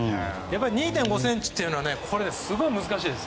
２．５ｃｍというのはすごく難しいです。